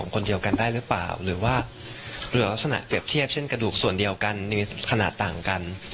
กระดูกส่วนเดียวกันมีขนาดต่างกัน